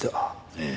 ええ。